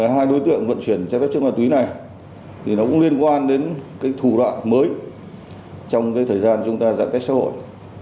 hai đối tượng vận chuyển trái phép chất ma túy này thì nó cũng liên quan đến thủ đoạn mới trong thời gian chúng ta giãn cách xã hội